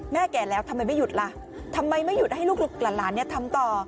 แก่แล้วทำไมไม่หยุดล่ะทำไมไม่หยุดให้ลูกหลานทำต่อ